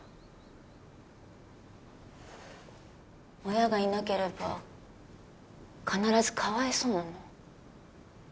親がいなければ必ずかわいそうなの？